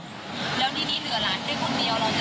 แล้วทีนี้เหลือหลานได้คุณเมียวเราจะแบ่งบอกหลานยังไง